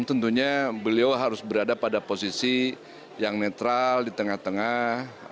tentunya beliau harus berada pada posisi yang netral di tengah tengah